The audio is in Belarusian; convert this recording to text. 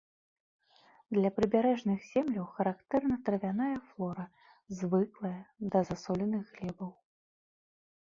Для прыбярэжных земляў характэрна травяная флора, звыклая да засоленых глебаў.